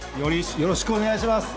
よろしくお願いします。